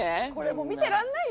見てらんないよ